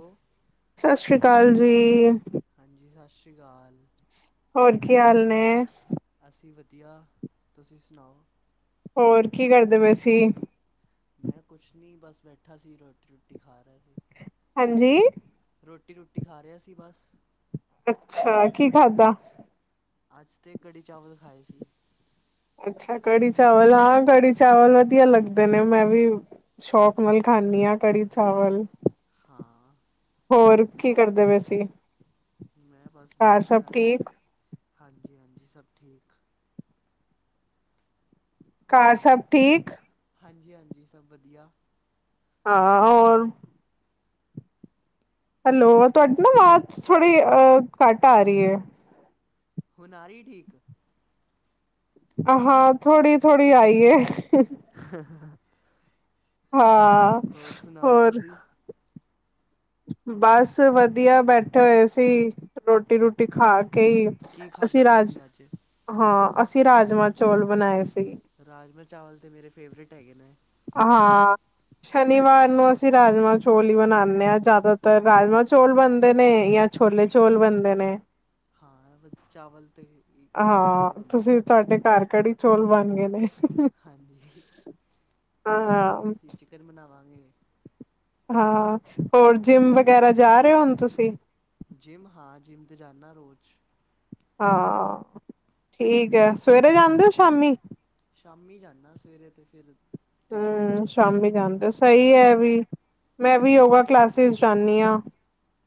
Hello ਸਤਿ ਸ੍ਰੀ ਅਕਾਲ ਜੀ। ਹਾਂਜੀ ਸਤਿ ਸ਼੍ਰੀ ਅਕਾਲ। ਹੋਰ ਕੀ ਹਾਲ ਨੇ? ਅਸੀਂ ਵਧੀਆ ਤੁਸੀਂ ਸੁਣਾਓ? ਹੋਰ ਕੀ ਕਰਦੇ ਪਏ ਸੀ? ਮੈਂ ਕੁਛ ਨਹੀਂ ਬਸ ਬੈਠਾ ਸੀ ਰੋਟੀ ਰੂਟੀ ਖਾ ਰਿਹਾ ਸੀ। ਹਾਂਜੀ। ਰੋਟੀ ਰੂਟੀ ਖਾ ਰਿਹਾ ਸੀ ਬਸ। ਅੱਛਾ ਕੀ ਖਾਧਾ? ਅੱਜ ਤੇ ਕੜੀ -ਚਾਵਲ ਖਾਏ ਸੀ। ਅੱਛਾ। ਕੜੀ -ਚਾਵਲ ਹਾਂ, ਕੜੀ- ਚਾਵਲ ਵਧੀਆ ਲੱਗਦੇ ਨੇ। ਮੈਂ ਵੀ ਸ਼ੌਕ ਨਾਲ ਖਾਂਦੀ ਹਾਂ। ਕੜੀ- ਚਾਵਲ ਹਾਂ। ਹੋਰ ਕੀ ਕਰਦੇ ਪਏ ਸੀਂ। ਮੈਂ ਬਸ ਬੈਠਾ ਹੋਇਆ ਸੀ। ਠੀਕ, ਹਾਂਜੀ- ਹਾਂਜੀ ਸਭ ਠੀਕ। ਘਰ ਹੋਰ ਸਭ ਠੀਕ। ਹਾਂਜੀ -ਹਾਂਜੀ ਸਭ ਵਧੀਆ। ਹਾਂ। ਹੋਰ ਹੈਲੋ, ਤੁਹਾਡੀ ਨਾ ਆਵਾਜ਼ ਥੋੜੀ ਅ ਘੱਟ ਆ ਰਹੀ ਹੈ। ਹੁਣ ਆ ਰਹੀ ਠੀਕ। ਹਾਂ। ਥੋੜੀ-ਥੋੜੀ ਆਈਏ। [unintelligible] ਹਾਂ ਹੋਰ ਸੁਣਾਓ ਹੋਰ। ਤੁਸੀਂ ਬਸ ਵਧੀਆ ਬੈਠੇ ਹੋਏ ਸੀ ਰੋਟੀ ਰੂਟੀ ਖਾ ਕੇ ਹੀ। ਕੀ ਅਸੀਂ ਖਾਧਾ ਰਾਜ ਤੁਸੀਂ ਅੱਜ। ਹਾਂ ਅਸੀਂ ਰਾਜਮਾਂ ਚੌਲ ਬਣਾਏ ਸੀ। ਰਾਜਮਾਂ ਚਾਵਲ ਤਾਂ ਮੇਰੇ ਫੇਵਰੇਟ ਹੈਗੇ ਨੇ। ਹਾਂ। ਸ਼ਨੀਵਾਰ ਨੂੰ ਅਸੀਂ ਰਾਜਮਾਂ- ਚੌਲ ਹੀ ਬਣਾਉਦੇ ਹਾਂ। ਜ਼ਿਆਦਾਤਰ ਰਾਜਮਾਂ -ਚੌਲ ਬਣਦੇ ਨੇ। ਜਾਂ ਛੋਲੇ- ਚੋਲ ਬਣਦੇ ਨੇ। ਹਾਂ। ਚਾਵਲ 'ਤੇ ਸੈਟਰਡੇ ਹਾਂ। ਬੰਦੇ ਹੀ ਤੁਸੀਂ ਨਾ ਤੁਹਾਡੇ ਹੁੰਦੇ ਘਰ ਕੜੀ-ਚੌਲ ਬਣ ਗਏ ਨੇ। ਹਾਂਜੀ। ਸ਼ਾਮੀ ਹਾਂ ਅਸੀਂ ਚਿਕਨ ਬਣਾਵਾਂਗੇ। ਹਾਂ। ਹੋਰ ਜਿੰਮ ਵਗੈਰਾ ਜਾ ਰਹੇ ਹੋ ਹੁਣ ਤੁਸੀਂ। ਜਿੰਮ ਹਾਂ। ਜਿੰਮ 'ਤੇ ਜਾਂਦਾ ਰੋਜ਼। ਹਾਂ। ਠੀਕ ਹੈ। ਰੋਜ਼ ਸਵੇਰੇ ਜਾਂਦੇ ਹੋ ਸ਼ਾਮੀ। ਸ਼ਾਮੀ ਜਾਂਦਾ। ਸਵੇਰੇ ਤੇ ਫਿਰ ਟਿਊਸ਼ਨ ਹੂੰ। ਵਗੈਰਾ ਜਾਨਾ ਸ਼ਾਮੀ ਜਾਂਦੇ ਵਗੈਰਾ ਹੋ ਸਹੀ ਹੈ ਏ ਵੀ। ਮੈਂ ਵੀ ਯੋਗਾ ਕਲਾਸਿਸ ਜਾਂਦੀ ਹਾਂ।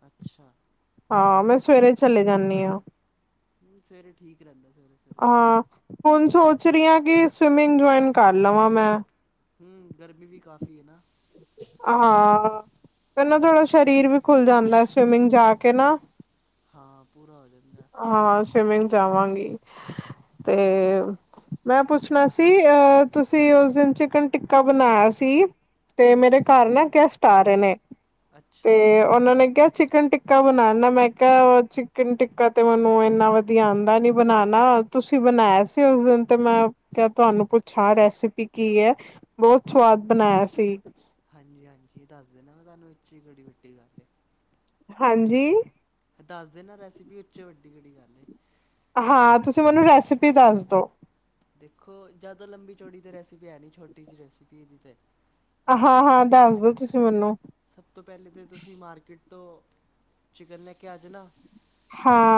ਅੱਛਾ। ਹਾਂ। ਮੈਂ ਸਵੇਰੇ ਚਲੇ ਜਾਣੀ ਹਾਂ। ਸਵੇਰੇ ਠੀਕ ਰਹਿੰਦਾ। ਸਵੇਰੇ ਸਵੇਰੇ ਚੱਲਦਾ ਹਾਂ। ਹੁਣ, ਸੋਚ ਰਹੀ ਹਾਂ ਕਿ ਸਵਿਮਿੰਗ ਜੁਆਇਨ ਕਰ ਲਵਾਂ ਮੈਂ। ਹੂੰ। ਗਰਮੀ ਵੀ ਕਾਫੀ ਹੈ ਨਾ। ਹਾਂ। ਫੇਰ ਨਾ ਥੋੜਾ ਸਰੀਰ ਵੀ ਖੁੱਲ ਜਾਂਦਾ ਸਵਿਮਿੰਗ ਜਾ ਕੇ ਨਾ। ਹਾਂ। ਪੂਰਾ ਹੋ ਜਾਂਦਾ। ਹਾਂ ਸਵਿਮਿੰਗ ਜਾਵਾਂਗੀ। ਤੇ ਹਾਂ ਮੈਂ ਪੁੱਛਣਾ ਸੀ। ਤੁਸੀਂ ਉਸ ਦਿਨ ਚਿਕਨ ਟਿੱਕਾ ਬਣਾਇਆ ਸੀ। ਤੇ ਮੇਰੇ ਹਾਂਜੀ ਘਰ ਨਾ ਹਾਂਜੀ ਗੈਸਟ ਆ ਰਹੇ ਨੇ। ਤੇ ਅੱਛਾ ਉਹਨਾਂ ਨੇ ਕਿਹਾ, ਚਿਕਨ ਟਿਕਾ ਬਣਾਣਾ। ਮੈਂ ਕਿਹਾ ਚਿਕਨ ਟਿੱਕਾ ਤੇ ਮੈਨੂੰ ਇੰਨਾ ਵਧੀਆ ਆਦਾ ਨੀ ਬਣਾਉਣਾ। ਤੁਸੀਂ ਬਣਾਇਆ ਸੀ। ਉਸ ਦਿਨ ਤੇ ਮੈਂ ਕਿਆ ਤੁਹਾਨੂੰ ਪੁੱਛਾਂ ਰੈਸਿਪੀ ਕੀ ਹੈ। ਬਹੁਤ ਸਵਾਦ ਬਣਾਇਆ ਸੀ। ਹਾਂਜੀ -ਹਾਂਜੀ ਦੱਸ ਦੇਣਾ ਮੈ ਤੁਹਾਨੂੰ ਏਹ ਚ ਕਿਹੜੀ ਵੱਡੀ ਗੱਲ ਹੈ। ਹਾਂਜੀ। ਦੱਸ ਦੇ ਨਾ ਰੈਸਿਪੀ ਇਸ ਚ ਵੱਡੀ ਕਿਹੜੀ ਗੱਲ ਏ। ਹਾਂ। ਤੁਸੀਂ ਮੈਨੂੰ ਰੈਸਪੀ ਦੱਸ ਦੋ। ਦੇਖੋ ਜ਼ਿਆਦਾ ਲੰਬੀ-ਚੌੜੀ ਤੇ ਰੈਸਿਪੀ ਹੈ ਨੀ ਛੋਟੀ ਜਿਹੀ ਰੈਸਿਪੀ ਇਹਦੀ ਤੇ। ਹਾਂ-ਹਾਂ ਦੱਸ ਦੋ ਤੁਸੀਂ ਮੈਨੂੰ ਸਭ ਤੋਂ ਪਹਿਲੇ ਤਾਂ ਤੁਸੀਂ ਮਾਰਕੀਟ ਤੋਂ, ਚਿਕਨ ਲੈ ਕੇ ਆ ਜਾਣਾ।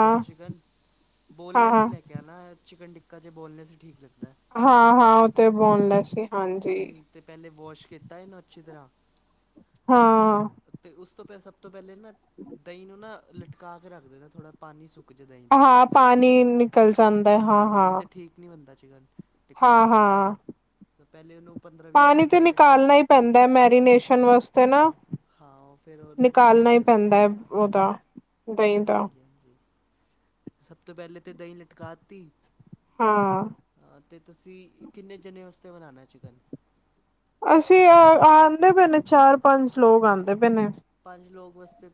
ਰੋਅ ਚਿਕਨ, ਬੋਨਲੈਸ ਹੀ ਲੈ ਕੇ ਕਿਆ ਨਾ ਚਿਕਨ ਟਿੱਕਾ ਚ ਬੋਨਲੈਸ ਹੀ ਠੀਕ ਰਹਿੰਦਾ ਏ। ਹਾਂ ਹਾਂ ਉਹ ਤੇ ਬੋਨਲੈਸ ਹੀ ਹਾਂਜੀ ਤੇ ਪਹਿਲੇੇ ਵਾਸ਼ ਕੀਤਾ ਇਹ ਨੂੰ ਅੱਛੀ ਤਰ੍ਹਾਂ ਹਾਂ। ਅਤੇ ਉਸ ਤੋਂ ਪਿਆ ਸਭ ਤੋਂ ਪਹਿਲੇ ਨਾ, ਦਹੀਂ ਨੂੰ ਨਾ, ਲਟਕਾ ਕੇ ਰੱਖ ਦੇਨਾ ਥੋੜ੍ਹਾ। ਪਾਨੀ ਸੁੱਕ ਜੇ ਦਹੀਂ ਦਾ, ਪਾਣੀ ਨਿਕਲ ਜਾਂਦਾ ਨਹੀਂ ਤਾਂ ਠੀਕ ਨੀ ਬਨਦਾ ਚੀ ਗਾ ਹਾਂ, ਹਾਂ। ਉਹਨੂੰ ਪਾਨੀ ਮਿੰਟ ਤੇ ਦਹੀਂ ਲਟਕਾ ਕੇ ਨਿਕਾਲਨਾ ਈ ਰੱਖੀ ਪੈਂਦੈ, ਮੈਰੀਨੇਸ਼ਨ ਵਾਸਤੇ ਨਾ। ਹਾਂ ਉਹ ਫਿਰ ਉਹ ਲਟਕ ਨਿਕਾਲਣਾ ਹੀ ਜਾਂਦਾ ਪੈਂਦਾ ਚਿਕਨ ਹੈ ਸਾਰਾ ਉਹਦਾ ਦਹੀਂ ਦਾ ਹਾਂਜੀ ਹਾਂਜੀ ਸਭ ਤੋਂ ਪਹਿਲੇ ਤਾਂ ਦਹੀਂ ਲਟਕਾ ਤੀ ਹਾਂ ਤੇ ਤੁਸੀਂ ਕਿੰਨੇ ਜਾਣੇ ਵਾਸਤੇ ਬਨਾਉਣਾ ਚਿਕਨ ਅਸੀਂ ਆਂਦੇ ਪਏ ਨੇ ਚਾਰ-ਪੰਜ ਲੋਕ ਆਦੇ ਪਏ ਨੇ। ਪੰਜ ਲੋਕ ਵਸਤੇ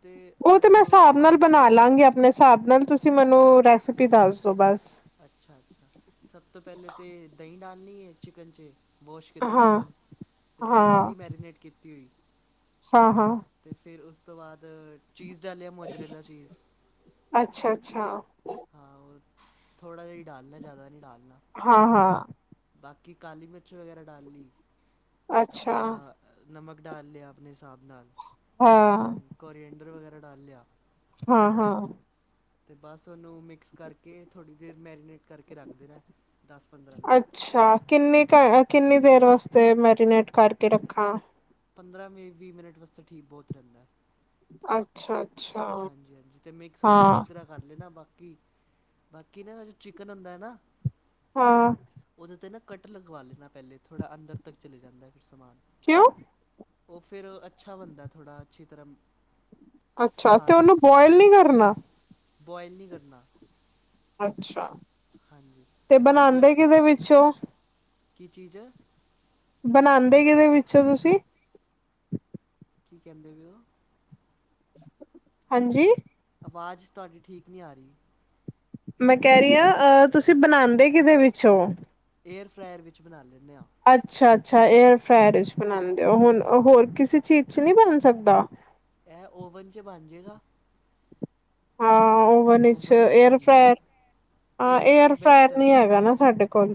ਉਹ ਤਾਂ ਤੇ ਅੱਠ ਮੈਂ ਸੌ ਹਿਸਾਬ ਨਾਲ ਗ੍ਰਾਮ ਬਣਾ ਠੀਕ ਲਾਂਗੀ ਰਹੇਗਾ। ਆਪਣੇ ਹਿਸਾਬ ਨਾਲ ਤੁਸੀਂ ਮੈਨੂੰ, ਰੈਸਪੀ ਦੱਸ ਦੋ ਬਸ। ਅੱਛਾ-ਅੱਛਾ ਸਭ ਤੋਂ ਪਹਿਲੇ ਤਾਂ ਦਹੀਂ ਡਾਲਣੀ ਹੈ ਚਿਕਨ 'ਚ ਵਾਸ਼ ਕੀਤਾ ਹਾਂ ਚਿਕਨ ਅਤੇ ਦਹੀਂ ਹਾਂ ਡਾਹੀ ਮੈਰੀਨੇਟ ਕੀਤੀ ਹੋਈ ਹਾਂ ਹਾਂ ਤੇ ਫੇਰ ਉਸ ਤੋਂ ਬਾਅਦ ਚੀਜ਼ ਡਾਲ ਲਿਆ ਮੋਜਰੇਲਾ ਚੀਜ਼ ਅੱਛਾ, ਅੱਛਾ। ਹਾਂ ਉਰ ਥੋੜ੍ਹਾ ਜਿਹਾ ਡਾਲਨੈ, ਜ਼ਿਆਦਾ ਨਹੀਂ ਡਾਲਨਾ। ਹਾਂ, ਹਾਂ। ਬਾਕੀ ਕਾਲੀ ਮਿਰਚ ਵਗੈਰਾ ਡਾਲ ਲੀ, ਅੱਛਾ ਆਪਨਾ ਨਮਕ ਡਾਲ ਲਿਆ ਆਪਨੇ ਹਿਸਾਬ ਨਾਲ। ਹਾਂ। ਕੋਰੀਏਂਡਰ ਵਗੈਰਾ ਡਾਲ ਲਿਆ। ਹਾਂ, ਹਾਂ। ਤੇ ਬਸ ਉਹਨੂੰ ਮਿਕਸ ਕਰਕੇ, ਥੋੜ੍ਹੀ ਦੇਰ ਮੈਰੀਨੇਟ ਕਰਕੇ ਰੱਖਦੇਣੈ। ਅੱਛਾ, ਕਿੰਨੀ ਕ ਕਿੰਨੀ ਦੇਰ ਵਾਸਤੇ, ਮੈਰੀਨੇਟ ਕਰਕੇ ਰੱਖਾ? ਪੰਦਰਾਂ ਮ ਵੀਹ ਮਿੰਟ ਵਾਸਤੇ ਠੀਕ ਬਹੁਤ ਰਹਿੰਦੈ। ਅੱਛਾ, ਅੱਛਾ। ਹਾਂਜੀ, ਹਾਂਜੀ ਤੇ ਮਿਕਸ ਉਹਨੂੰ ਹਾਂ ਅੱਛੀ ਤਰ੍ਹਾਂ ਕਰ ਲੈਣਾ ਬਾਕੀ, ਬਾਕੀ ਨਾ ਜੋ ਚਿਕਨ ਹੁੰਦੈ ਨਾ? ਹਾਂ ਉਹਦੇ ਤੇ ਨਾ ਕੱਟ ਲਗਵਾ ਲੈਨਾ ਪਹਿਲੇ, ਥੋੜ੍ਹਾ ਅੰਦਰ ਤੱਕ ਚਲੇ ਜਾਂਦੈ ਫਿਰ ਸਮਾਨ। ਕਿਉਂ? ਉਹ ਫਿਰ ਅੱਛਾ ਬਨਦੈ ਥੋੜਾ, ਅੱਛੀ ਤਰ੍ਹਾਂ ਅੱਛਾ, ਤੇ ਉਹਨੂੰ ਬੌਇਲ ਨੀ ਕਰਨਾ? ਬੋਆਇਲ ਨੀਂ ਕਰਨਾ। ਅੱਛਾ ਹਾਂਜੀ, ਤੇ ਉਹ ਕੱਟ ਬਣਾਉਂਦੇ ਲਗਾ, ਕਿਹਦੇ ਵਿੱਚੋਂ ਕੀ ਚੀਜ਼ ਹੈ ਬਨਾੰਦੇ ਕਿਦੇ ਵਿੱਚ ਓਂ ਤੁਸੀ? ਕੀ ਕਹਿੰਦੇ ਵਿਉ? ਹਾਂਜੀ? ਆਵਾਜ਼ ਤੁਹਾਡੀ ਠੀਕ ਨੀਂ ਆਰੀ। ਮੈਂ ਕੈਰੀਆਂ, ਅ ਤੁਸੀ ਬਨਾੰਦੇ ਕਿਦੇ ਵਿੱਚ ਓਂ? ਏਅਰਫਰਾਅਰ ਵਿੱਚ ਬਨਾ ਲੈਂਨੇ ਆਂ। ਅੱਛਾ, ਅੱਛਾ ਏਅਰਫਰਾਅਰ 'ਚ' ਬਨਾੰਦੇ ਓ, ਹੁਨ ਹੋਰ ਹਾਂ ਕਿਸੇ ਚੀਜ਼ ਚ ਨੀਂ ਬਨ ਸਕਦਾ? ਐ ਓਵਨ 'ਚ' ਬਨਜੇਗਾ? ਹੁਨ ਚ, ਓਵਨ ਬਣ ਜਾਏਗਾ ਏਅਰਫਰਾਇਰ, ਹਾਂ ਏਅਰ ਫਰਾਇਰ ਬੈਸਟ ਏਅਰਫਰਾਇਰ ਨੀ ਰਹਿੰਦਾ ਹੈਗਾ ਵੈਸੇ ਨਾ ਸਾਡੇ ਕੋਲ।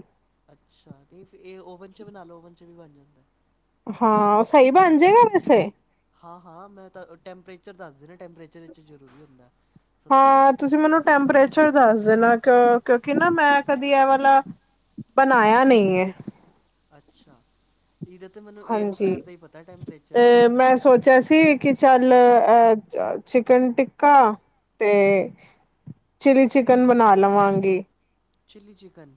ਅੱਛਾ, ਤੇ ਇਹ ਫਿਰ ਓਵਨ ਚ ਬਨਾ ਲੋ, ਓਵਨ ਚ ਵੀ ਬਨ ਜਾਂਦੈ। ਹਾਂ, ਸਈ ਬਣ ਜੇਗਾ, ਵੈਸੇ? ਹਾਂ, ਹਾਂ ਮੈਂ ਤਾਂ ਟੈਂਪਰੇਚਰ ਦੱਸ ਦੇ ਨਾ, ਟੈਂਪਰੇਚਰ ਵਿੱਚ ਜ਼ਰੂਰੀ ਹੁੰਦਾ। ਸਭ ਤੋਂ ਜ਼ਿਆਦਾ ਹਾਂ, ਤੇ ਤੁਸੀਂ ਮੈਨੂੰ ਟੈਂਪਰੇਚਰ ਚ ਦੱਸ ਦੇਨਾ ਕਿ ਕਿਉਂਕਿ ਨਾ, ਮੈਂ ਕਦੀ ਐ ਵਾਲਾ, ਬਨਾਇਆ ਨਈਂ ਏਂ। ਅੱਛਾ, ਈਧ ਹਾਂਜੀ, ਤੇ ਮੈਂ ਸੋਚਿਆ ਸੀ। ਕੀ ਚੱਲ ਅ ਚਿਕਨ ਟਿੱਕਾ ਤੇ। ਚਿਲੀ ਚਿਕਨ ਬਣਾ ਲਵਾਂਗੀ। ਚਿਲੀ ਚਿਕਨ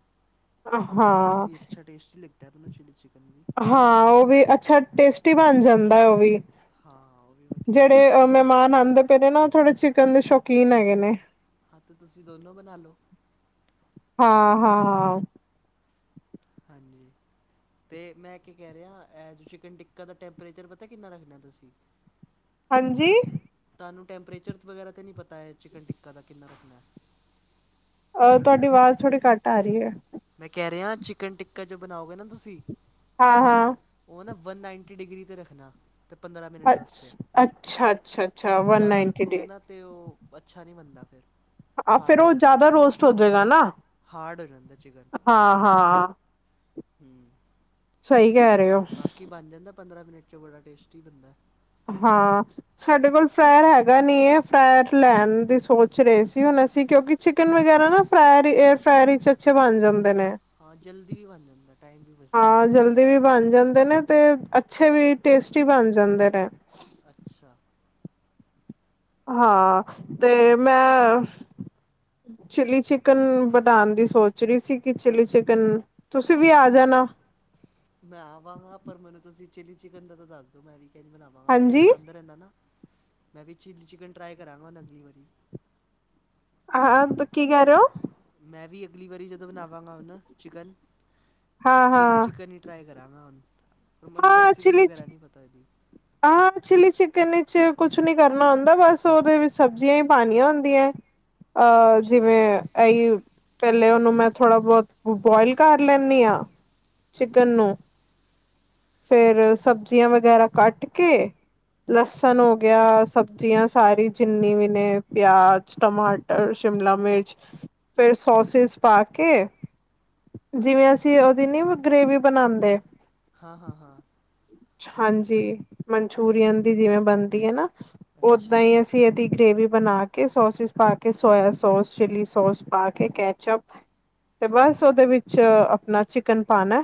ਹਾਓ ਹਾਂ, ਵੀ ਅੱਛਾ ਟੇਸਟੀ ਲਗਦਾ ਹੈ ਆਪਨਾ ਨੂੰ ਚਿਲੀ ਚਿਕਨ ਵੀ। ਹਾਂ ਉਹ ਵੀ ਅੱਛਾ ਟੇਸਟੀ ਬਣ ਜਾਂਦੈਂ, ਉਹ ਵੀ, ਹਾਂ ਉਹ ਵੀ ਵਧੀਆ ਹੁੰਦਾ ਜਿਹੜੇ ਹੈ ਮ ਮਹਿਮਾਨ ਆੰਦੇ ਪਏ ਨੇ ਨਾ, ਥੋੜੇ ਚਿਕਨ ਦੇ ਸ਼ੌਕੀਨ ਹੈਗੇਨੇ। ਹਾਂ ਤਾਂ ਤੁਸੀਂ ਦੋਨੋਂ ਬਨਾ ਲੋ। ਹਾਂ, ਹਾਂ। ਹਾਂਜੀ। ਅਤੇ ਮੈਂ ਕੀ ਕਹਿ ਰਿਆਂ, ਐਜ ਚਿਕਨ ਟਿੱਕਾ ਦਾ ਟੈਂਪਰੇਚਰ ਪਤਾ ਕਿੰਨਾ ਰੱਖਨਾ ਤੁਸੀ? ਹਾਂਜੀ? ਤਾਂਨੂੰ ਟੈਂਪਰੇਚਰ ਵਗੈਰਾ ਤਾਂ ਨੀਂ ਪਤਾ ਐ, ਚਿਕਨ ਟਿੱਕਾ ਦਾ ਕਿੰਨਾ ਰੱਖਨੈ? ਅਹ, ਤੁਆੱਡੀ ਵਾਜ ਥੋੜ੍ਹੀ ਘੱਟ ਆ ਰਈ ਐ। ਮੈਂ ਕਹਿ ਰਿਆਂ, ਚਿਕਨ ਟਿੱਕਾ ਜੇ ਬਨਾਓਗੇ ਨਾ ਤੁਸੀ? ਹਾਂ ਹਾਂ। ਉਹ ਨਾ ਵਨ ਨਾਈਨਟੀ ਡਿਗਰੀ 'ਤੇ ਰੱਖਣਾ। ਅਤੇ ਪੰਦਰਾਂ ਮਿੰਟ ਵਾਸਤੇ ਅੱਛ ਅੱਛਾ, ਅੱਛਾ, ਅੱਛਾ ਵਨ ਜ਼ਿਆਦਾ ਨਾਈਨਟੀ ਰੱਖੋਗੇ ਡੇ। ਨਾ। ਤੇ ਉਹ ਅੱਛਾ ਨਹੀਂ ਬਨਦਾ ਫਿਰ। ਆਹ ਫੇਰ ਹਾਰਡ ਹੋ ਉਹ ਜਾਂਦਾ ਜ਼ਿਆਦਾ ਚਿਕਨ ਰੋਸਟ ਹੋ ਜਾਏਗਾ ਨਾ ਹਾਂ ਹਾਂ। ਹਮ। ਸਹੀ ਕਹਿ ਰਹੇ ਹੋ। ਬਾਕੀ ਬਣ ਜਾਂਦਾ ਪੰਦਰਾਂ ਮਿੰਟ 'ਚ ਬੜਾ ਟੇਸਟੀ ਬਣਦਾ। ਹਾਂ। ਸਾਡੇ ਕੋਲ ਫਰੈਰ ਹੈਗਾ ਨਹੀਂ ਹੈ ਫਰੈਰ ਲੈਣ ਦੀ ਸੋਚ ਰਹੇ ਸੀ ਹੁਣ ਅਸੀਂ ਕਿਉਂਕਿ। ਚਿਕਨ ਵਗੈਰਾ ਨਾ ਫਰਾਰ ਏਅਰ ਫਰਾਈਡ ਵਿੱਚ ਅੱਛੇ ਬਣ ਜਾਂਦੇ ਨੇ। ਹਾਂ ਜਲਦੀ ਵੀ ਬਣ ਜਾਂਦਾ ਏ। ਹਾਂ ਜਲਦੀ ਵੀ ਬਣ ਜਾਂਦੇ ਨੇ ਤੇ ਅੱਛੇ ਵੀ ਟੇਸਟੀ ਬਣ ਜਾਂਦੇ ਨੇ। ਅੱਛਾ। ਹਾਂ ਤੇ ਹਾਂਜੀ ਮੈਂ ਚਿਲੀ ਚਿਕਨ। ਚਿਕਨ ਬਣਾਉਣ ਦੀ ਸੋਚ ਰਹੀ ਸੀ ਕਿ ਚਿਲੀ ਚਿਕਨ ਤੁਸੀਂ ਵੀ ਆ ਚਿਲੀ ਜਾਣਾ। ਮੈਂ ਆਵਾਂਗਾ ਪਰ ਮੈਨੂੰ ਤੁਸੀਂ ਚਿਲੀ ਚਿਕਨ ਦਾ ਤਾਂ ਦੱਸ ਦੋ ਮੈਂ ਵੀ ਕਿਵੇਂ ਬਣਾਵਾਂ। ਮੈਂ ਵੀ ਹਾਂਜੀ ਬਣਾਉਂਦਾ ਰਹਿੰਦਾ ਨਾ ਮੈਂ ਵੀ ਚਿਲੀ ਚਿਕਨ ਟਰਾਈ ਕਰਾਂਗਾ ਅਗਲੀ ਵਾਰੀ। ਹਾਂ ਹਾਂ ਤਾਂ ਕੀ ਕਹਿ ਰਹੇ ਹੋ? ਮੈਂ ਵੀ ਅਗਲੀ ਵਾਰੀ ਜਦੋਂ ਬਣਾਵਾਂਗਾ ਨਾ ਚਿਕਨ ਹਾਂ ਚਿੱਲੀ ਹਾਂ ਚਿਕਨ। ਟਰਾਈ ਕਰਾਂਗਾ ਹੁਣ ਪਰ ਮੈਨੂੰ ਰੈਸਪੀ ਵਗੈਰਾ ਨਹੀਂ ਪਤਾ ਇਹਦੀ। ਆਹੋ ਚਿਲੀ ਚਿਕਨ ਵਿਚ ਕੁਛ ਨੀ ਕਰਨਾ ਹੁੰਦਾ ਬਸ ਉਹਦੇ ਵਿੱਚ ਸਬਜ਼ੀਆਂ ਹੀ ਪਾਉਣੀਆਂ ਹੁੰਦੀਆਂ। ਅਹ ਸਬਜ਼ੀਆਂ ਜਿਵੇਂ ਇਹੀ। ਪਹਿਲੇ ਉਹਨੂੰ ਮੈਂ ਥੋੜ੍ਹਾ ਬਹੁਤ ਬੋਆਇਲ ਕਰ ਲੈਂਦੀ ਹਾਂ। ਚਿਕਨ ਹਾਂਜੀ ਨੂੰ ਫੇਰ ਸਬਜ਼ੀਆਂ ਵਗੈਰਾ ਕੱਟ ਕੇ। ਲਸਣ ਹੋ ਗਿਆ ਸਬਜ਼ੀਆਂ ਸਾਰੀ ਜਿੰਨੀ ਵੀ ਨੇ ਪਿਆਜ਼ ਟਮਾਟਰ। ਸ਼ਿਮਲਾ ਮਿਰਚ ਫੇਰ ਸੋਸਿਸ ਪਾ ਕੇ। ਜਿਵੇਂ ਅਸੀਂ ਉਹਦੀ ਨੀ ਗ੍ਰੇਵੀ ਬਣਾਉਂਦੇ। ਹਾਂ ਹਾਂ ਹਾਂ। ਹਾਂਜੀ ਮਨਚੂਰੀਅਨ ਦੀ ਜਿਵੇਂ ਬਣਦੀ ਹੈ ਨਾ ਓਦਾਂ ਅੱਛਾ ਹੀ ਅਸੀਂ। ਇਦੀ ਗ੍ਰੇਵੀ ਬਣਾ ਕੇ ਸੋਸਿਸ ਪਾ ਕੇ ਸੋਇਆ ਸੋਸ ਚਿਲੀ ਸੋਸ ਪਾ ਕੇ ਕੈਚਪ। ਤੇ ਬਸ ਉਹਦੇ ਵਿੱਚ ਆਪਣਾ ਚਿਕਨ ਪਾਣਾ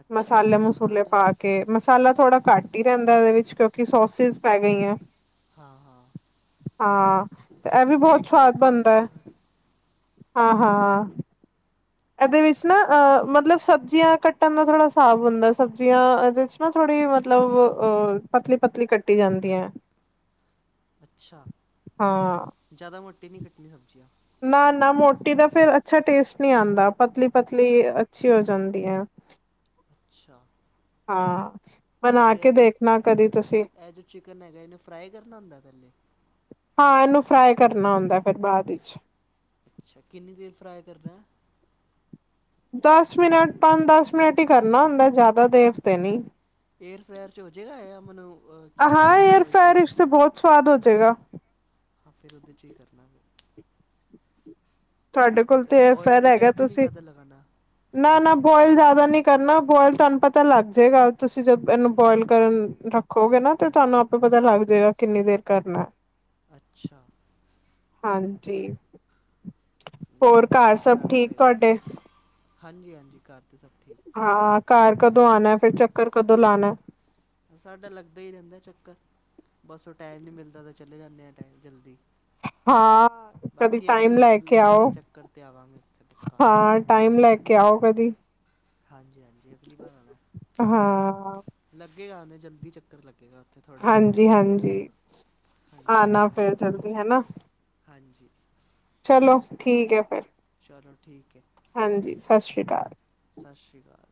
ਅੱਛਾ ਤੇ ਮਸਾਲੇ ਬੜਾ ਮਸੂਲੇ ਆਸਾਨ ਹੈ ਪਾ। ਕੇ ਮਸਾਲਾ ਥੋੜਾ ਘੱਟ ਹੀ ਰਹਿੰਦਾ ਇਹਦੇ ਵਿੱਚ ਕਿਉਂਕਿ ਸੋਸਿਸ ਪੈ ਗਈਆਂ। ਹਾਂ ਹਾਂ ਹਾਂ ਤੇ ਇਹ ਵੀ ਸਨੈਕ ਬਹੁਤ ਸਵਾਦ ਟਾਈਪ ਹੀ ਹੁੰਦਾ ਬਣਦਾ ਹੈ। ਹਾਂ ਹਾਂ। ਇਹਦੇ ਵਿੱਚ ਨਾ ਅਹ ਮਤਲਬ ਸਬਜ਼ੀਆਂ ਕੱਟਣ ਦਾ ਥੋੜ੍ਹਾ ਹਿਸਾਬ ਹੁੰਦਾ ਸਬਜ਼ੀਆਂ। ਉਹਦੇ ਵਿੱਚ ਨਾ ਥੋੜੀ ਮਤਲਬ ਅ ਪਤਲੀ ਪਤਲੀ ਕੱਟੀ ਜਾਂਦੀ ਹੈ। ਅੱਛਾ ਹਾਂ ਜ਼ਿਆਦਾ ਮੋਟੀ ਨਹੀਂ ਕੱਟਣੀ ਸਬਜ਼ੀਆਂ। ਨਾ ਨਾ ਮੋਟੀ ਦਾ ਫੇਿਰ ਅੱਛਾ ਟੇਸਟ ਨਹੀਂੀ ਆਉਂਦਾ ਪਤਲੀ ਪਤਲੀ ਅੱਛੀ ਹੋ ਜਾਂਦੀ ਹੈ। ਅੱਛਾ। ਹਾਂ ਬਣਾ ਤੇ ਕੇ ਦੇਖਣਾ ਕਦੀ ਤੁਸੀਂ ਇਹ ਜੋ ਚਿਕਨ ਹੈਗਾ ਇਹਨੂੰ ਫਰਾਈ ਕਰਨਾ ਹੁੰਦਾ ਪਹਿਲੇ। ਹਾਂ, ਇਹਨੂੰ ਫਰਾਈ ਕਰਨਾ ਹੁੰਦਾ ਫਿਰ ਬਾਅਦ ਵਿੱਚ। ਅੱਛਾ ਕਿੰਨੀ ਦੇਰ ਫਰਾਈ ਕਰਨਾ? ਦਸ ਮਿੰਟ ਪੰਜ ਦਸ ਮਿੰਟ ਹੀ ਕਰਨਾ ਹੁੰਦਾ ਜ਼ਿਆਦਾ ਦੇਰ ਤੇ ਨਹੀਂ। ਏਅਰ ਫ੍ਰਾਇਰ ਚ ਹੋ ਜਾਏਗਾ ਮੈਨੂੰ ਹਾਂ ਏਅਰ ਓਏਲ ਚ ਹੀ ਫਰਾਇਰ ਕਰਨਾ ਵਿੱਚ ਤੇ ਪਏਗਾ। ਬਹੁਤ ਸਵਾਦ ਹੋ ਜਾਏਗਾ। ਹਾਂ ਫਿਰ ਉਹਦੇ 'ਚ ਹੀ ਕਰਨਾ। ਤੁਹਾਡੇ ਕੋਲ ਤੇ ਏਅਰ ਆਇਲ ਫਰਾਰ ਵਗੈਰਾ ਹੈਗਾ ਤੇ ਨਹੀਂ ਤੁਸੀਂ। ਜ਼ਿਆਦਾ ਲਗਾਉਣਾ ਨਾ, ਨਾ ਬੋਇਲ ਜ਼ਿਆਦਾ ਨੀ ਕਰਨਾ ਬੋਇਲ ਤੁਹਾਨੂੰ ਪਤਾ ਲੱਗ ਜਾਏਗਾ ਤੁਸੀਂ ਜਦ ਇਹਨੂੰ ਬੋਇਲ ਕਰਨ ਰੱਖ। ਹੋ ਗਏ ਨਾ ਤੇ ਤੁਹਾਨੂੰ ਆਪੇ ਪਤਾ ਲੱਗ ਜਾਏਗਾ ਕਿੰਨੀ ਦੇਰ ਕਰਨਾ। ਅੱਛਾ। ਹਾਂਜੀ। ਨਹੀਂ ਹੈ ਹੋਰ ਤਾਂ ਫਿਰ ਘਰ ਸਭ ਬਧਉਣਾ ਠੀਕ ਪਏਗਾ ਤੁਹਾਡੇ ਹਾਂਜੀ ਹਾਂਜੀ ਘਰ ਤਾਂ ਸਭ ਠੀਕ। ਹਾਂ ਘਰ ਕਦੋਂ ਆਉਣਾ ਫਿਰ ਚੱਕਰ ਕਦੋਂ ਲਾਉਣਾ? ਸਾਡਾ ਲੱਗਦਾ ਹੀ ਰਹਿੰਦਾ ਚੱਕਰ। ਬਸ ਉਹ ਟਾਈਮ ਨਹੀਂ ਮਿਲਦਾ ਤਾਂ ਚਲੇ ਜਾਂਦੇ ਹਾਂ ਟਾਈਮ ਜਲਦੀ। ਹਾਂ ਕਦੀ ਬਾਕੀ ਅਗਲੀ ਟਾਈਮ ਲੈ ਵਾਰ ਕੇ ਲੱਗੇਗਾ ਆਓ ਚੱਕਰ ਤੇ ਆਵ ਮੈਂ ਉੱਥੇ। ਪੱਕਾ ਹਾਂ ਟਾਈਮ ਲੈ ਕੇ ਆਓ ਕਦੀ। ਹਾਂਜੀ ਹਾਂਜੀ ਅਗਲੀ ਵਾਰ ਆਉਣਾ। ਹਾਂ। ਲੱਗੇਗਾ ਮੈਂ ਜਲਦੀ ਚੱਕਰ ਲੱਗੇਗਾ। ਉੱਥੇ ਥੋੜ੍ਹੇ ਦਿਨਾਂ ਤੱਕ ਹਾਂਜੀ ਹਾਂਜੀ ਹਾਂਜੀ ਆਣਾ ਫੇਰ ਆਵਾਂਗਾ ਉੱਥੇ। ਜਲਦੀ ਹਨਾ ਹਾਂਜੀ। ਚਲੋ ਠੀਕ ਹੈ ਫਿਰ ਚਲੋ ਠੀਕ ਹੈ ਹਾਂਜੀ ਸਤਿ ਸ਼੍ਰੀ ਅਕਾਲ। ਸਤਿ ਸ਼੍ਰੀ ਅਕਾਲ।